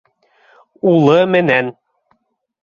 Улы менән.